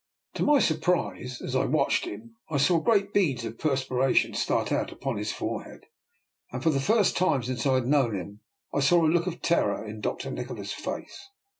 To my surprise, as I watched him, I saw great beads of perspiration start out upon his forehead, and for the first time since I had known him I saw a look of terror in Dr. Ni kola's face.